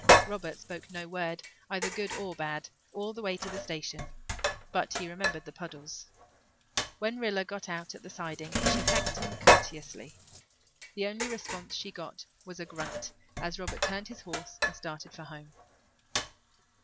Robert spoke no word, either good or bad, all the way to the station, but he remembered the puddles. When Rilla got out at the siding she thanked him courteously. The only response she got was a grunt as Robert turned his horse and started for home.